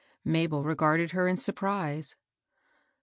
Mabel regarded her m surprise.